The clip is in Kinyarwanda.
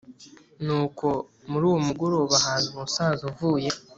Nuko muri uwo mugoroba haza umusaza uvuye